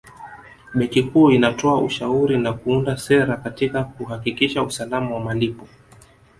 Benki Kuu inatoa ushauri na kuunda sera katika kuhakikisha usalama wa malipo